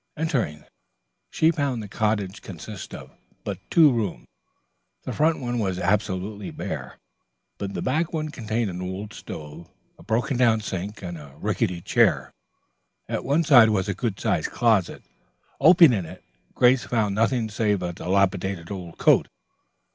Entering, she found that the cottage consisted of but two rooms. The front one was absolutely bare, but the back one contained an old stove, a broken down sink and a rickety chair. At one side was a good sized closet. Opening it, Grace found nothing save a dilapidated old coat.